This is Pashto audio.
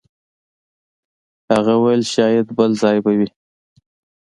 هغوی ویل شاید بل ځای به وئ.